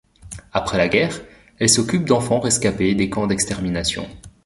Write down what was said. Après la guerre, elle s’occupe d’enfants rescapés des camps d’extermination.